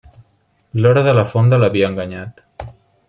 L'hora de la fonda l'havia enganyat.